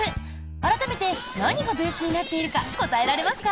改めて何がベースになっているか答えられますか？